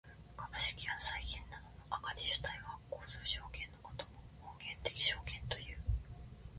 株式や債券などの赤字主体が発行する証券のことを本源的証券という。